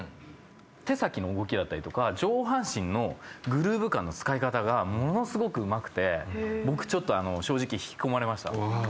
手先の動きだったりとか上半身のグルーヴ感の使い方がものすごくうまくて僕正直引き込まれました。